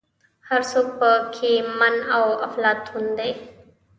هر څوک په کې من او افلاطون دی.